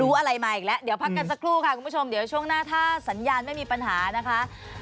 อะไรมาอีกแล้วเดี๋ยวพักกันสักครู่ค่ะคุณผู้ชมเดี๋ยวช่วงหน้าถ้าสัญญาณไม่มีปัญหานะคะ